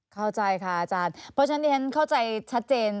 เข้าใจค่ะอาจารย์เพราะฉะนั้นที่ฉันเข้าใจชัดเจน